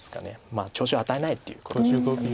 調子を与えないっていうことですよね。